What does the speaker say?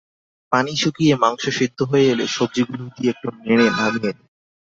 পানি শুকিয়ে মাংস সেদ্ধ হয়ে এলে সবজিগুলো দিয়ে একটু নেড়ে নামিয়ে নিন।